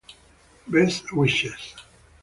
Best wishes.